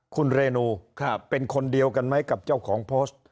คุณเรนูเป็นคนเดียวกันไหมกับเจ้าของโพสต์